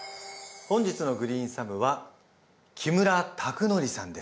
本日のグリーンサムは木村卓功さんです。